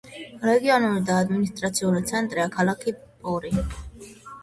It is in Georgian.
რეგიონული და ადმინისტრაციული ცენტრია ქალაქი პორი.